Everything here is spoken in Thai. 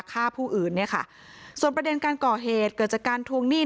ฆ่าผู้อื่นเนี่ยค่ะส่วนประเด็นการก่อเหตุเกิดจากการทวงหนี้